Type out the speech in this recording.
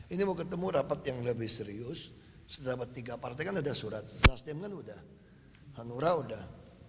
ini mau ketemu rapat yang lebih serius sedapat tiga partai kan ada surat nasdem kan udah hanura udah